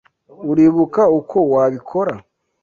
Uribuka uko wabikora?